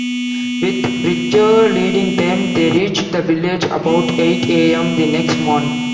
With Bridger leading them, they reached the village about eight a.m. the next morning.